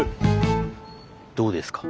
どうですか？